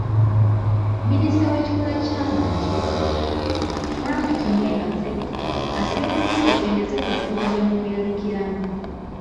Minisita w'ekikula ky'abantu, Frank Tumwebaze, asabye poliisi ekendeeze ku bukuubagano bw'erabikiramu